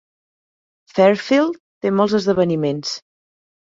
Fairfield té molts esdeveniments.